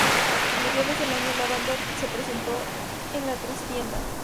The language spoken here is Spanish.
A mediados de año, la banda se presentó en La Trastienda.